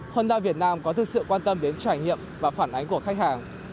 honda việt nam có thực sự quan tâm đến trải nghiệm và phản ánh của khách hàng